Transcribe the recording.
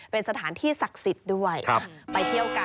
เป็นสถานที่ศักดิ์สิทธิ์